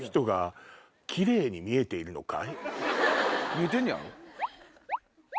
見えてんねやろ？